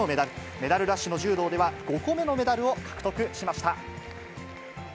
メダルラッシュの柔道では、５個目のメダルを獲得しました。